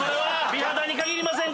美肌に限りませんか？